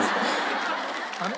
あれ？